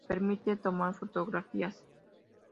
Se permite tomar fotografías.